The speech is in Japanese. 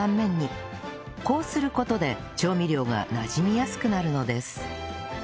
こうする事で調味料がなじみやすくなるのです